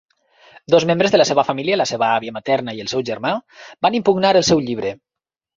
Dos membres de la seva família, la seva àvia materna i el seu germà, van impugnar el seu llibre.